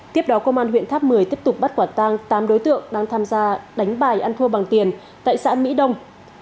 tiếp đó công an huyện tháp một mươi tiếp tục bắt quả tang tám đối tượng đang tham gia đánh bài ăn thua bằng tiền tại xã mỹ đông